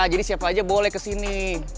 jadi siapa aja boleh kesini